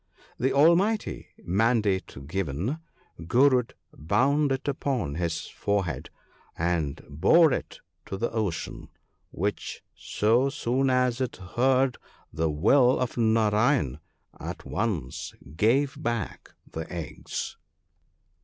The almighty mandate given, Gurud bound it upon his forehead, and bore it to the Ocean, which, so soon as it heard the will of Narayan, at once gave back the eggs.